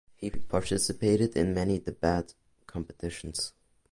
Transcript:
He participated in many debate competitions.